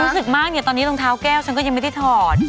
รู้สึกมากเนี่ยตอนนี้รองเท้าแก้วฉันก็ยังไม่ได้ถอด